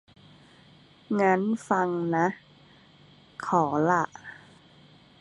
งั้นฟังนะ ขอล่ะ